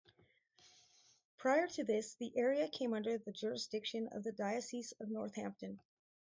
Prior to this the area came under the jurisdiction of the Diocese of Northampton.